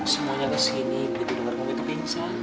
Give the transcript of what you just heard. semuanya kesini begitu dengar kamu itu pingsan